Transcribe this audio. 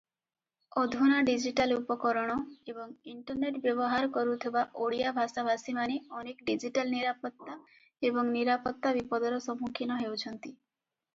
ଅଧୁନା ଡିଜିଟାଲ ଉପକରଣ ଏବଂ ଇଣ୍ଟରନେଟ ବ୍ୟବହାର କରୁଥିବା ଓଡ଼ିଆ ଭାଷାଭାଷୀମାନେ ଅନେକ ଡିଜିଟାଲ ନିରାପତ୍ତା ଏବଂ ନିରାପତ୍ତା ବିପଦର ସମ୍ମୁଖୀନ ହେଉଛନ୍ତି ।